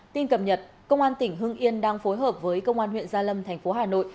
tin cập nhật công an tỉnh hưng yên đang phối hợp với công an huyện gia lâm thành phố hà nội